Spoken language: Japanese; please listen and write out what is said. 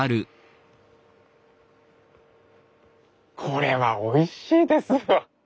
これはおいしいです。